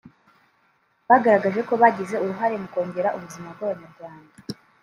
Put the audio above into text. bagaragaje ko bagize uruhare mu kongera ubuzima bw’Abanyarwanda